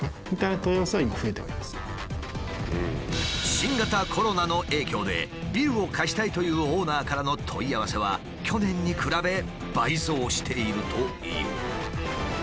新型コロナの影響でビルを貸したいというオーナーからの問い合わせは去年に比べ倍増しているという。